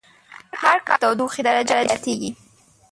هر کال د تودوخی درجه زیاتیږی